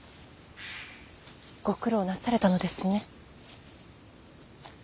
ご苦労なされたのですね。